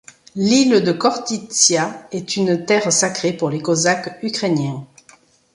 L'île de Khortytsia est une terre sacrée pour les Cosaques ukrainiens.